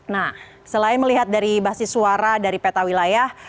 nah selain melihat dari basis suara dari peta wilayah